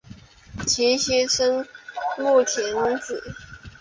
其妻笙田弘子。